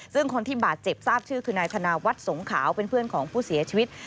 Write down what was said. ซึ่งคนที่บาดเจ็บทราบชื่อคือนายธนาวัฒน์สงขาวเป็นเพื่อนของผู้เสียชีวิต